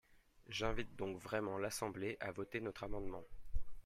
J’invite donc vraiment l’Assemblée à voter notre amendement.